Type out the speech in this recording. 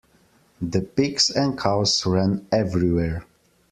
The pigs and cows ran everywhere.